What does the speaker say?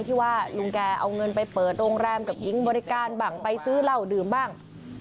ที่ว่าลุงแกเอาเงินไปเปิดโรงแรมกับหญิงบริการบ้างไปซื้อเหล้าดื่มบ้าง